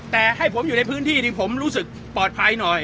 แต่ให้ผมอยู่ในพื้นที่ที่ผมรู้สึกปลอดภัยหน่อย